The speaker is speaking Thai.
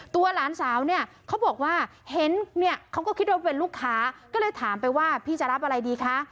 หลานสาวเนี่ยเขาบอกว่าเห็นเนี่ยเขาก็คิดว่าเป็นลูกค้าก็เลยถามไปว่าพี่จะรับอะไรดีคะ